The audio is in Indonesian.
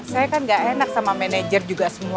saya kan gak enak sama manajer juga semua